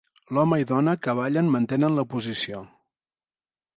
L'home i dona que ballen mantenen la posició.